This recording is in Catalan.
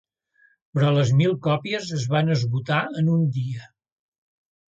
Però les mil còpies es van esgotar en un dia.